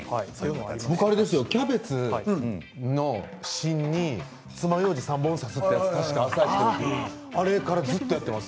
僕、キャベツの芯につまようじ３本ぐらい挿すというやつあれからずっとやっています。